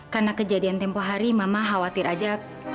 karena kejadian tempoh hari mama khawatir aja